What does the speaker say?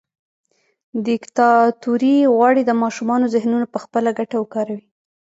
دیکتاتوري غواړي د ماشومانو ذهنونه پخپله ګټه وکاروي.